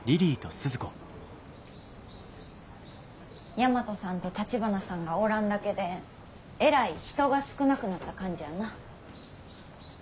大和さんと橘さんがおらんだけでえらい人が少なくなった感じやな。